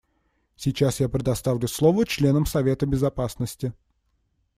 Сейчас я предоставлю слово членам Совета Безопасности.